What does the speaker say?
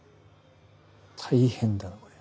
大変だなこりゃ。